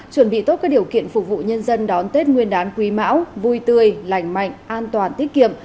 chuẩn bị tốt các điều kiện phục vụ nhân dân đón tết nguyên đán quý mão vui tươi lành mạnh an toàn tiết kiệm